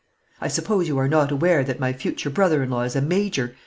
"I suppose you are not aware that my future brother in law is a major?"